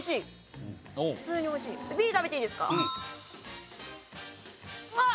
Ｂ食べていいですか。